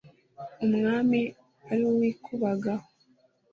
umwami ari uw ikubagahu